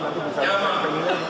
supaya daerah kita aman nyaman tertib